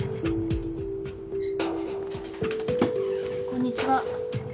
こんにちは。